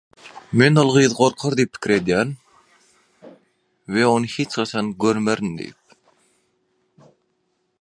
Я боюсь, что она испугается и я не смогу её больше видеть.